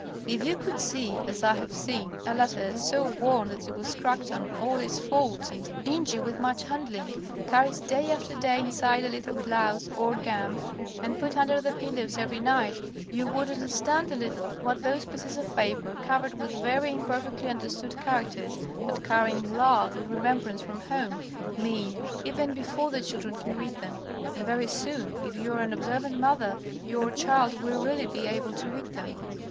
If you could see, as I have seen, a letter, so worn that it was cracked on all its folds and dingy with much handling, carried day after day inside a little blouse, or guimpe, and put under the pillows every night, you would understand a little what those pieces of paper, covered with very imperfectly understood characters, but carrying love and remembrance from home, mean, even before the children can read them. And very soon, if you are an observant mother, your child will really be able to read them.